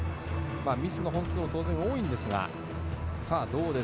ミスの本数は当然多いんですが。